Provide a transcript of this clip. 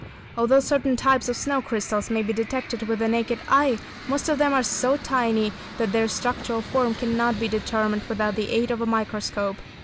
A diamond pendant] Although certain types of snow crystals may be detected with the naked eye, most of them are so tiny that their structural form cannot be determined without the aid of a microscope.